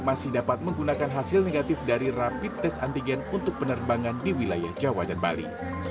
masih dapat menggunakan hasil negatif dari rapid test antigen untuk penerbangan di wilayah jawa dan bali